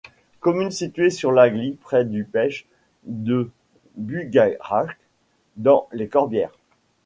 Commune située sur l'Agly, près du Pech de Bugarach dans les Corbières.